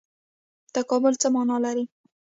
تکامل څه مانا لري؟